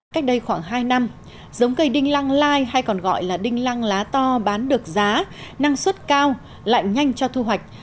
cách đây khoảng hai năm giống cây đinh lăng lai hay còn gọi là đinh lăng lá to bán được giá năng suất cao lại nhanh cho thu hoạch